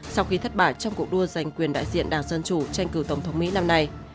sau khi thất bại trong cuộc đua giành quyền đại diện đảng dân chủ tranh cử tổng thống mỹ năm nay